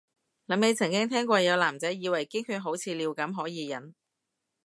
諗起曾經聽過有男仔以為經血好似尿咁可以忍